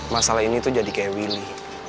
masalah ini tuh jadi kayak willy